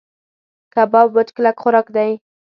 کباب وچ کلک خوراک دی.